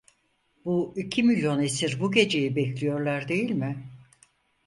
Bu iki milyon esir bu geceyi bekliyorlar değil mi?